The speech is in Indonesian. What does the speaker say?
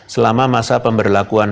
selama masa pemberlakuan